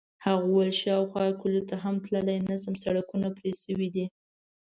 هغه وویل: شاوخوا کلیو ته هم تللی نه شم، سړکونه پرې شوي دي.